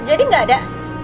jadi gak ada